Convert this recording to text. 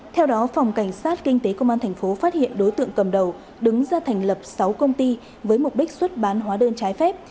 theo đó phòng cảnh sát kinh tế công an tp phát hiện đối tượng cầm đầu đứng ra thành lập sáu công ty với mục đích xuất bán hóa đơn trái phép